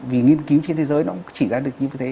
vì nghiên cứu trên thế giới nó cũng chỉ ra được như thế